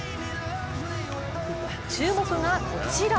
注目が、こちら。